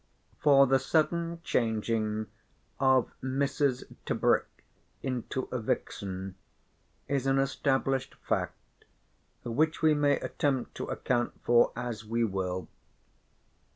For the sudden changing of Mrs. Tebrick into a vixen is an established fact which we may attempt to account for as we will.